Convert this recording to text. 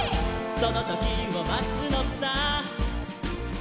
「そのときをまつのさ」